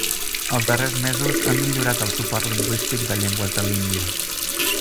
Els darrers mesos han millorat el suport lingüístic de llengües de l'Índia.